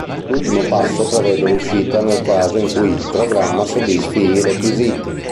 L'ultimo passo prevede l'uscita nel caso in cui il programma soddisfi i requisiti.